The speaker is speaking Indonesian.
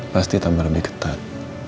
pasti tambah lebih ketat